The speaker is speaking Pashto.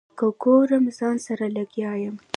که ګورم ځان سره لګیا یم.